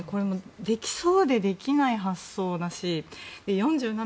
できそうでできない発想だし４７